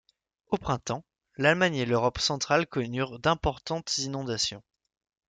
Au printemps, l'Allemagne et l'Europe centrale connurent d'importantes inondations.